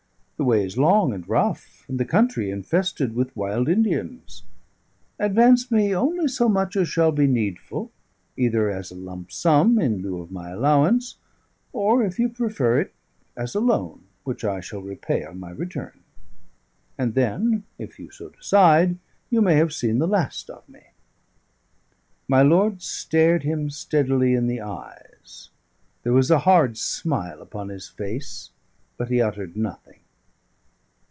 The way is long and rough, and the country infested with wild Indians. Advance me only so much as shall be needful: either as a lump sum, in lieu of my allowance; or, if you prefer it, as a loan, which I shall repay on my return. And then, if you so decide, you may have seen the last of me." My lord stared him steadily in the eyes; there was a hard smile upon his face, but he uttered nothing.